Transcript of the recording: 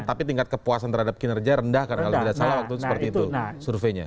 tapi tingkat kepuasan terhadap kinerja rendah karena kalau tidak salah waktu itu seperti itu surveinya